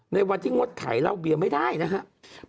ในวันที่งดขายเหล้าเบียร์ไม่ได้นะครับ